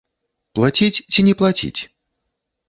Плаціць ці не плаціць?